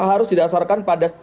maka harus didasarkan pada satu data